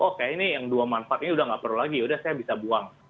oh kayak ini yang dua manfaat ini udah nggak perlu lagi yaudah saya bisa buang